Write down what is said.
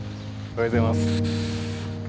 おはようございます。